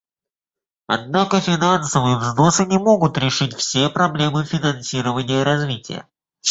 Однако финансовые взносы не могут решить все проблемы финансирования развития.